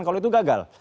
kalau itu gagal